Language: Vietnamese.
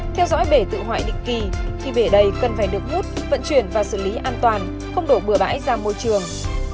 theo dõi bể tự hoại định kỳ khi về đây cần phải được hút vận chuyển và xử lý an toàn không đổ bừa bãi ra môi trường